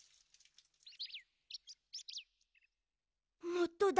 もっとだ。